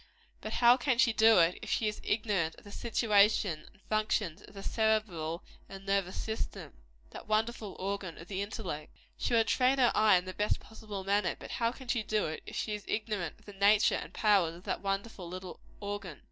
But how can she do it, if she is ignorant of the situation and functions of the cerebral and nervous system that wonderful organ of the intellect? She would train her eye in the best possible manner; but how can she do so, if she is ignorant of the nature and powers of that wonderful little organ?